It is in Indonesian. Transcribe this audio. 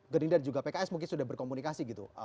gerindra dan juga pks mungkin sudah berkomunikasi gitu